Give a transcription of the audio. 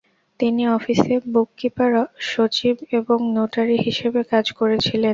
তিনি অফিসে bookkeeper, সচিব এবং নোটারি হিসাবে কাজ করেছিলেন।